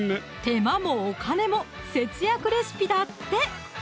手間もお金も節約レシピだって！